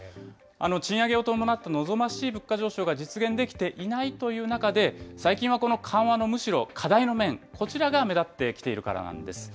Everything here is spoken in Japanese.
賃上げを伴った望ましい物価上昇が実現できていないという中で、最近はこの緩和のむしろ課題の面、そちらが目立ってきているからなんです。